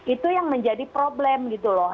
itu yang menjadi problem gitu loh